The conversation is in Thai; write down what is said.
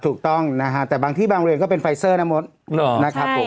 ถูกต้องแต่บางที่บางโรงเรียนก็เป็นไฟเซอร์นะมุษย์